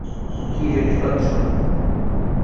কী দেখতে পাচ্ছ?